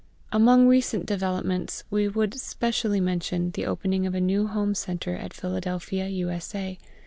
Among recent developments we would specially mention the opening of a new home centre at Philadelphia, U.S.A.